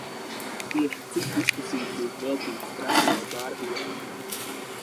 Tieši cik diskusijas būs veltītas trakajai Bārbijai?